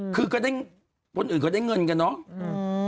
คือก็ได้คนอื่นก็ได้เงินกันเนาะ